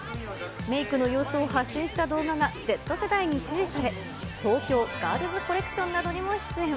メークの様子を発信した動画がＺ世代に支持され、東京ガールズコレクションなどにも出演。